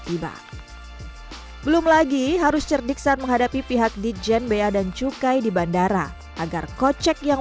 tiba belum lagi harus cerdiksaan menghadapi pihak di jen bea dan cukai di bandara agar kocek yang